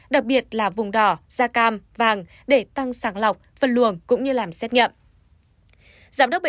đặc biệt là vùng đỏ da cam vàng để tăng sàng lọc phân luồng cũng như làm xét nghiệm